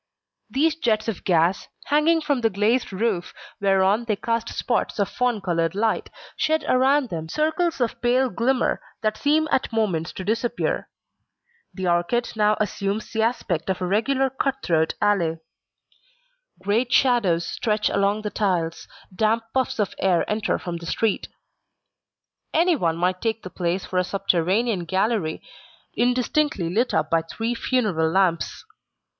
These jets of gas, hanging from the glazed roof whereon they cast spots of fawn coloured light, shed around them circles of pale glimmer that seem at moments to disappear. The arcade now assumes the aspect of a regular cut throat alley. Great shadows stretch along the tiles, damp puffs of air enter from the street. Anyone might take the place for a subterranean gallery indistinctly lit up by three funeral lamps.